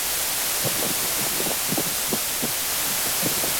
现任澳大利亚副总理及澳大利亚国家党党首。